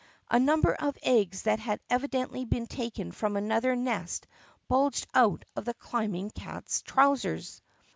A num ber of eggs that had evidently been taken from another nest bulged out of the climbing cat's trousers.